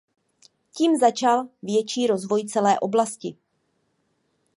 Tím začal větší rozvoj celé oblasti.